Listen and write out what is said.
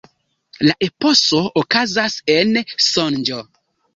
La eposo okazas en sonĝo.